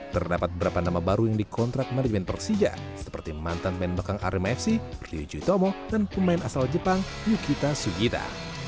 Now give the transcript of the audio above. terdapat beberapa nama baru yang dikontrak dari pemain persija seperti mantan pemain bakang arima fc ryo jutomo dan pemain asal jepang yukita sugita